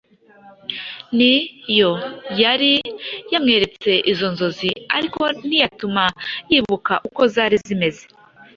ni Yo yari yamweretse izo nzozi ariko ntiyatuma yibuka uko zari zimeze,